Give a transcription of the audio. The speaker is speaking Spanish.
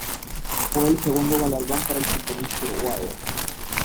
Fue el segundo galardón para el futbolista uruguayo.